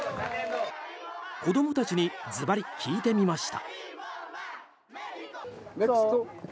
子どもたちにずばり聞いてみました。